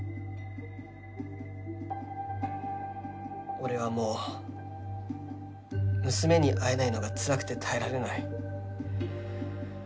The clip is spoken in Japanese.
俺はもう娘に会えないのがつらくて耐えられない。